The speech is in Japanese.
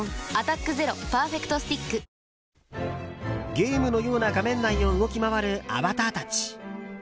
ゲームのような画面内を動き回るアバターたち。